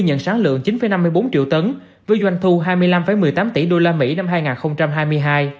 nhận sáng lượng chín năm mươi bốn triệu tấn với doanh thu hai mươi năm một mươi tám tỷ usd năm hai nghìn hai mươi hai